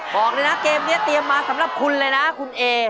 บอกเลยนะเกมนี้เตรียมมาสำหรับคุณเลยนะคุณเอ